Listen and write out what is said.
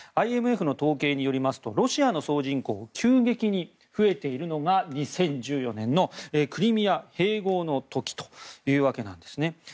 ＩＭＦの統計によりますとロシアの総人口が急激に増えているのが２０１４年のクリミア併合の時というわけなんですね。